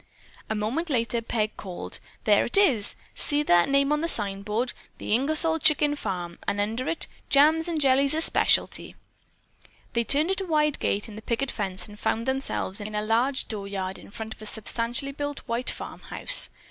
A moment later Peg called: "There it is! See the name on that signboard, 'The Ingersol Chicken Farm,' and under it, 'Jams and jellies a specialty.'" They turned in at a wide gate in the picket fence and found themselves in a large dooryard in front of a substantially built white farmhouse.